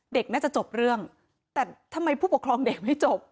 เด็กน่าจะจบเรื่องแต่ทำไมผู้ปกครองเด็กไม่จบ